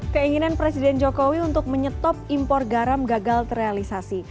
keinginan presiden jokowi untuk menyetop impor garam gagal terrealisasi